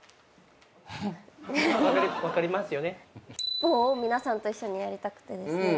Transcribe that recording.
ぽを皆さんと一緒にやりたくてですね。